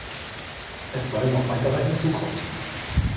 Es sollen noch weitere hinzukommen.